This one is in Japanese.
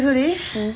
うん。